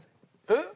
えっ？